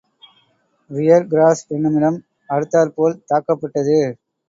Rear cross என்னுமிடம் அடுத்தாற்போல் தாக்கப்பட்டது.